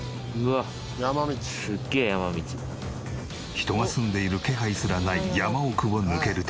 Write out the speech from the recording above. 人が住んでいる気配すらない山奥を抜けると。